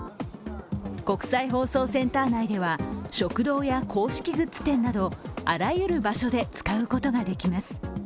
国際放送センター内では食堂や公式グッズ店などあらゆる場所で使うことができます。